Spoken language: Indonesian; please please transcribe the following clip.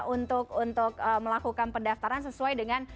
untuk melakukan pendaftaran sesuai dengan